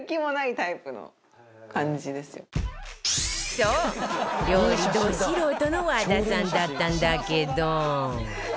そう料理ド素人の和田さんだったんだけど